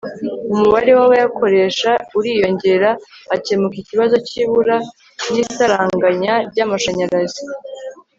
umubare w' abayakoresha uriyongera, hakemuka ikibazo cy' ibura n' isaranganya ry' amashanyarazi